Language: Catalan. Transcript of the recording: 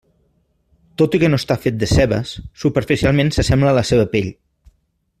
Tot i que no està fet de cebes, superficialment s'assembla a la seva pell.